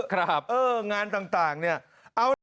ครับเอองานต่างนี่เอาล่ะ